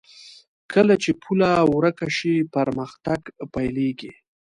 کله چې پوله ورکه شي، پرمختګ پيلېږي.